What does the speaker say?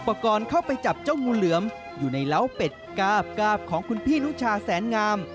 ปกรณ์เข้าไปจับเจ้างูเหลือมอยู่ในเล้าเป็ดกาบของคุณพี่นุชาแสนงาม